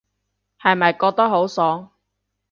係咪覺得好爽